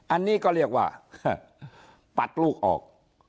อันนี้ก็เรียกว่าปัดลูกออก